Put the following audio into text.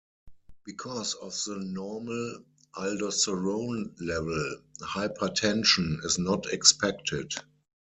Because of the normal aldosterone level, hypertension is not expected.